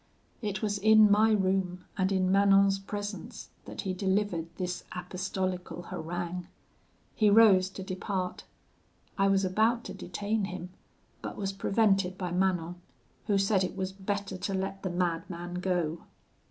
"It was in my room and in Manon's presence that he delivered this apostolical harangue. He rose to depart. I was about to detain him; but was prevented by Manon, who said it was better to let the madman go.